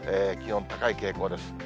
気温高い傾向です。